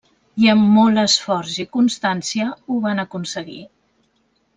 I amb molt esforç i constància ho van aconseguir.